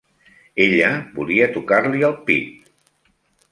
Ella volia tocar-li el pit.